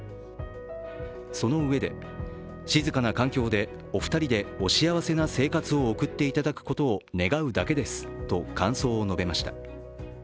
そのうえで、静かな環境でお二人でお幸せな生活を送っていただくことを願うだけですと感想を述べました。